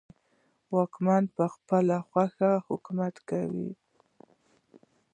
واکمنو په خپله خوښه حکومت کاوه.